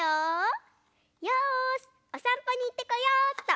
よしおさんぽにいってこようっと。